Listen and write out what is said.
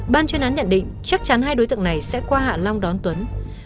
ban chuyên án nhận định chắc chắn hai đối tượng này sẽ qua hạ long đón tuấn